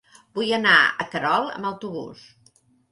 Vull anar a Querol amb autobús.